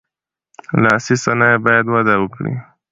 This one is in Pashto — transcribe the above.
لاسي صنایع باید وده وکړي.